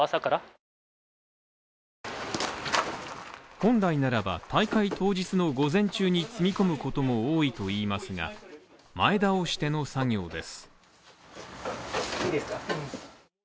本来ならば、大会当日の午前中に積み込むことも多いといいますが、前倒しての作業です。